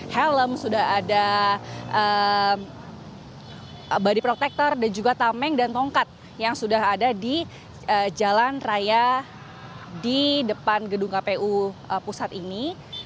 helm sudah ada body protector dan juga tameng dan tongkat yang sudah ada di jalan raya di depan gedung kpu pusat ini